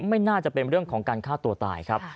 ไม่น่าจะเป็นเรื่องของการฆ่าตัวตายครับ